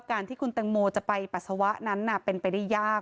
การที่คุณแตงโมจะไปปัสสาวะนั้นเป็นไปได้ยาก